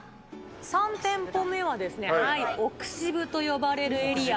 ３店舗目は奥渋と呼ばれるエリア。